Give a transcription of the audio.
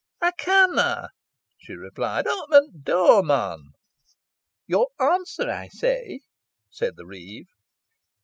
"Ey conna," she replied. "Open t' door, mon." "Your answer, I say?" said the reeve.